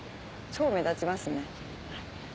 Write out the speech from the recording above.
超目立ちますね。